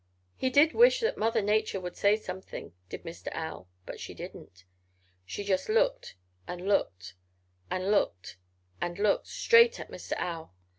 He did wish that Mother Nature would say something, did Mr. Owl. But she didn't. She just looked and looked and looked and looked straight at Mr. Owl.